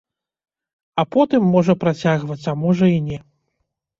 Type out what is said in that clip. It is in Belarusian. А потым, можа працягваць, а можа і не.